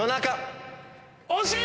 惜しい！